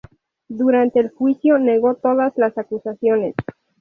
Durante el juicio negó todas las acusaciones.